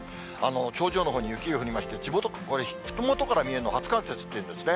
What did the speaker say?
頂上のほうに雪が降りまして、ふもとから見えるの初冠雪っていうんですね。